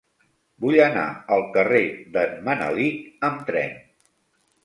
Vull anar al carrer d'en Manelic amb tren.